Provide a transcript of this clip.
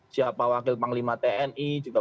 siapa wakil panglima tni juga